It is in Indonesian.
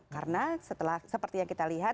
karena seperti yang kita lihat